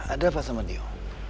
ada apa sama dio